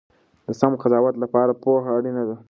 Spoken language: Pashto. د سم قضاوت لپاره پوهه اړینه ده.